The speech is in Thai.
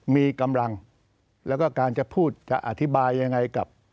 มีกำลังแล้วก็การจะพูดจะอธิบายยังไงกับ